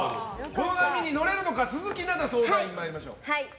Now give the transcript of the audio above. この波に乗れるのか鈴木奈々相談員、参りましょう。